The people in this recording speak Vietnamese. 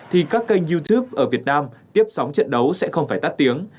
thì các kênh youtube ở việt nam tiếp sóng trận đấu sẽ không phải tắt tiếng